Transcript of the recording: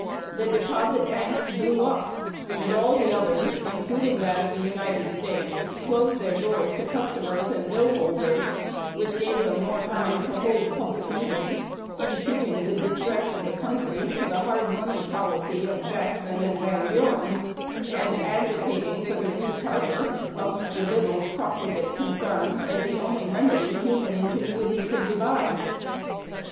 The deposit banks "blew up;" and all the others, including that of the United States, closed their doors to customers and bill holders, which gave them more time to hold public meetings, imputing the distress of the country to the hard money policy of Jackson and Van Buren, and agitating for the re charter of Mr. Biddle's profligate concern as the only remedy human ingenuity could devise.